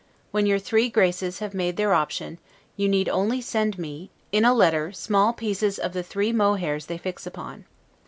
When your three Graces have made their option, you need only send me, in a letter small pieces of the three mohairs they fix upon.